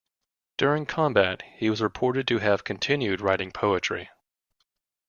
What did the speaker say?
During combat, he was reported to have continued writing poetry.